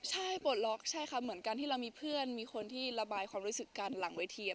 ใช่ปลดล็อกใช่ค่ะเหมือนการที่เรามีเพื่อนมีคนที่ระบายความรู้สึกกันหลังเวที